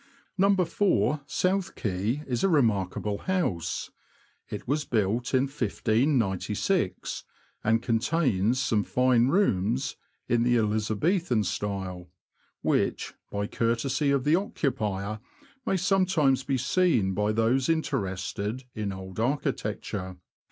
No. 4, South Quay, is a remarkable house. It was built in 1596, and contains some fine rooms in the Elizabethan style, which, by courtesy of the occupier, may sometimes be seen by those interested in old architecture.